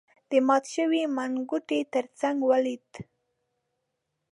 د مات شوی منګوټي تر څنګ ولید.